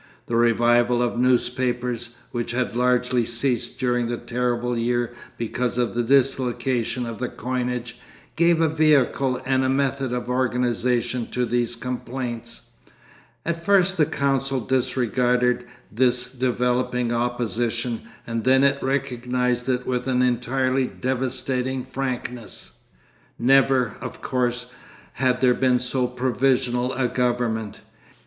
The revival of newspapers, which had largely ceased during the terrible year because of the dislocation of the coinage, gave a vehicle and a method of organisation to these complaints. At first the council disregarded this developing opposition, and then it recognised it with an entirely devastating frankness. Never, of course, had there been so provisional a government.